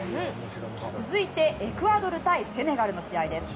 続いてエクアドル対セネガルの試合です。